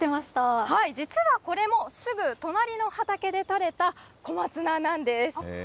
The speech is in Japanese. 実はこれも、すぐ隣の畑で取れた小松菜なんです。